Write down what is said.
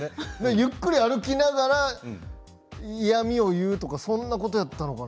ゆっくり歩きながら嫌みを言うとかそんなことやったのかな。